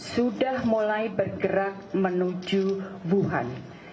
sudah mulai bergerak menuju wuhan